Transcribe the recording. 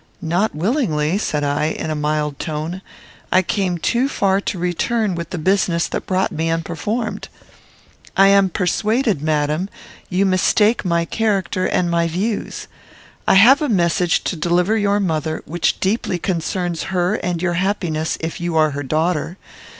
"Not willingly," said I, in a mild tone. "I came too far to return with the business that brought me unperformed. I am persuaded, madam, you mistake my character and my views. I have a message to deliver your mother which deeply concerns her and your happiness, if you are her daughter.